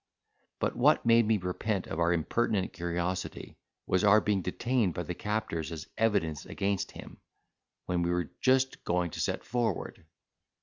But what made me repent of our impertinent curiosity was our being detained by the captors, as evidence against him, when we were just going to set forward.